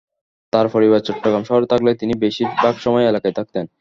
তাঁর পরিবার চট্টগ্রাম শহরে থাকলে তিনি বেশির ভাগ সময় এলাকায় থাকতেন।